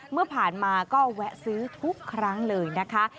เมื่อผ่านมาก็แวะซื้อทุกครั้งเลยนะคะ